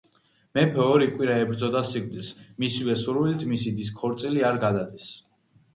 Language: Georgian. მეფე ორი კვირა ებრძოდა სიკვდილს, მისივე სურვილით მისი დის ქორწილი არ გადადეს.